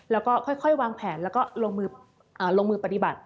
แล้วก็ค่อยวางแผนแล้วก็ลงมือลงมือปฏิบัติ